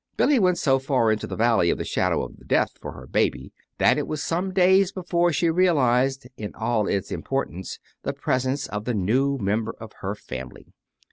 Billy went so far into the Valley of the Shadow of Death for her baby that it was some days before she realized in all its importance the presence of the new member of her family.